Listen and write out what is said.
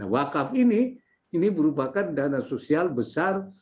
wakaf ini ini merupakan dana sosial besar